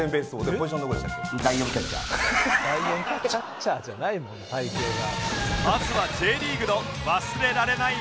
「キャッチャーじゃないもん体形が」